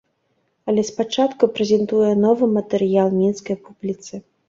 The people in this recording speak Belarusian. Але спачатку прэзентуе новы матэрыял мінскай публіцы.